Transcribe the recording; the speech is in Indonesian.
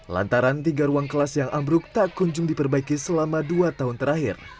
lantaran tiga ruang kelas yang ambruk tak kunjung diperbaiki selama dua tahun terakhir